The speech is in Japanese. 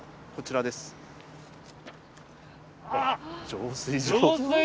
浄水場。